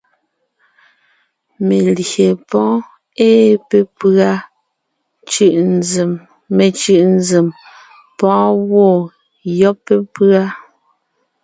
Melyè pɔ́ɔn ée pépʉ́a, mencʉ̀ʼ nzèm pɔ́ɔn gwɔ̂ yɔ́b pépʉ́a.